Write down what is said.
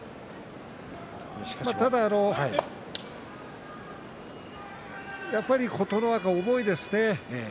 ただ、やっぱり琴ノ若重いですね。